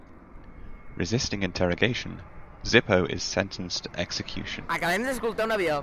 Resisting interrogation, Zippo is sentenced to execution.